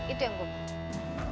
itu yang gue mau